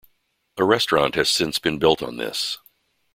A restaurant has since been built on this.